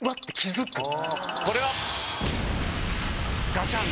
ガシャン！